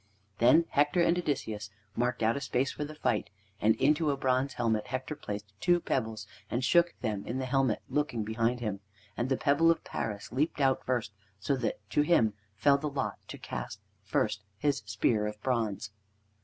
Then Hector and Odysseus marked out a space for the fight, and into a bronze helmet Hector placed two pebbles and shook them in the helmet, looking behind him. And the pebble of Paris leapt out the first, so that to him fell the lot to cast first his spear of bronze.